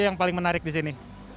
apa yang paling menarik disini